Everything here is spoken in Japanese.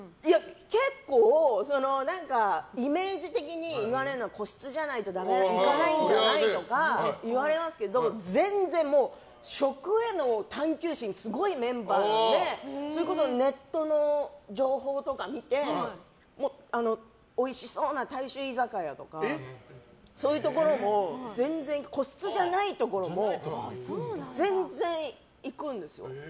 結構イメージ的に個室じゃないと行かないんじゃない？とか言われますけど全然、食への探求心がすごいメンバーなのでそれこそネットの情報とか見ておいしそうな大衆居酒屋とかそういうところも個室じゃないところも全然行くんですよ。